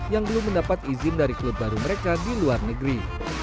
yang belum mendapat izin dari klub baru mereka di luar negeri